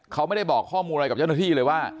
เขาไม่ได้บอกข้อมูลอะไรกับเจ้าหน้าที่เลยว่า